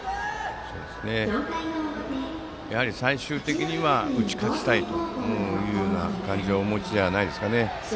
やはり最終的には打ち勝ちたいという感じをお持ちじゃないでしょうか。